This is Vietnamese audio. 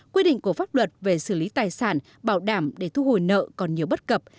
quy định của pháp luật về xử lý tài sản bảo đảm để thu hồi nợ còn nhiều bất cập